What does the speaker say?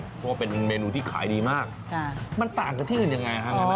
เพราะว่าเป็นเมนูที่ขายดีมากมันต่างกับที่อื่นยังไงฮะ